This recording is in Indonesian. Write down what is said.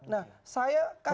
nah saya kasih